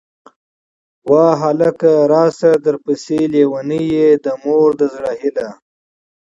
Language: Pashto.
واه هلکه!!! راسه درپسې لېونۍ يه ، د مور د زړه هيلهٔ